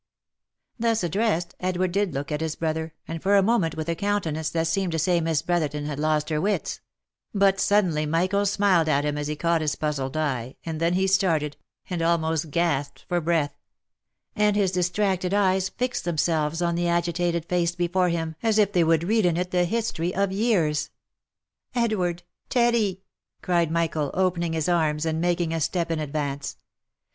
Thus addressed, Edward did look at his brother, and for a moment with a countenance that seemed to say Miss Brotherton had lost her wits — but suddenly Michael smiled at him as he caught his puzzled eye, and then he started, and almost gasped for breath — ind his 376 THE LIFE AND ADVENTURES distracted eyes fixed themselves on the agitated face before him as if they would read in it the history of years. " Edward! — Teddy!" cried Michael, opening his arms, and making a step in advance.